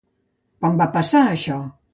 Quan va passar això?